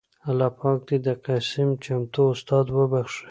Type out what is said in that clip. اللهٔ پاک د قسيم چمتو استاد وبښي